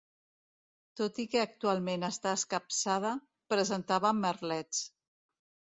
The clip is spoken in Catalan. Tot i que actualment està escapçada, presentava merlets.